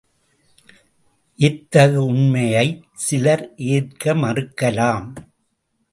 இத்தகு உண்மையைச் சிலர் ஏற்க மறுக்கலாம்.